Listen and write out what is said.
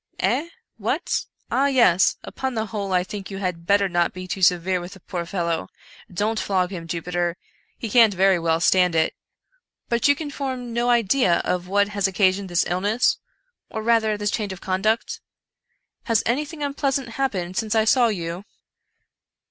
" Eh ?— what ?— ah yes !— upon the whole I think you had better not be too severe with the poor fellow — don't flog him, Jupiter — he can't very well stand it — but can you form no idea of what has occasioned this illness, or rather this change of conduct? Has anything unpleasant happened since I saw you?